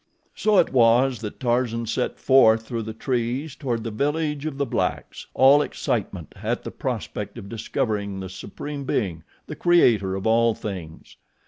So it was that Tarzan set forth through the trees toward the village of the blacks, all excitement at the prospect of discovering the Supreme Being, the Creator of all things.